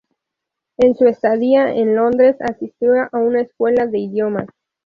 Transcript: En su estadía en Londres asistió a una escuela de idiomas.